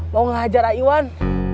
mau ngajar aywan